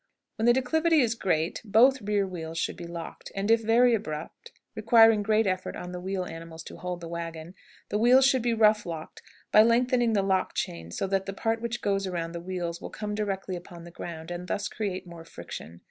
When the declivity is great both rear wheels should be locked, and if very abrupt, requiring great effort on the wheel animals to hold the wagon, the wheels should be rough locked by lengthening the lock chains so that the part which goes around the wheels will come directly upon the ground, and thus create more friction.